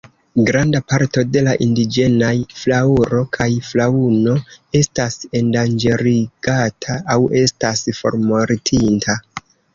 Granda parto de la indiĝenaj flaŭro kaj faŭno estas endanĝerigata aŭ estas formortinta.